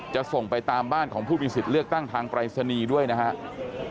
จะส่งไปตามบ้านของผู้มีสิทธิ์เลือกตั้งทางปรายศนีย์ด้วยนะครับ